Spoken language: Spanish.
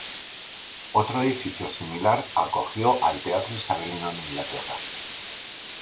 Otro edificio similar acogió al teatro isabelino en Inglaterra.